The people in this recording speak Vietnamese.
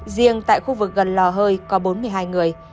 riêng tại khu vực gần lò hơi có bốn mươi hai người